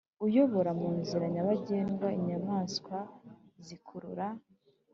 uyobora mu nzira nyabagendwa inyamaswa zikurura